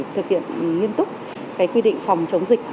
thực hiện nghiên túc quy định phòng chống dịch